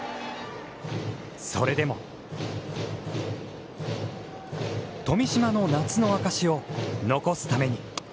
それでも富島の夏の証しを残すために。